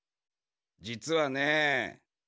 じつはね。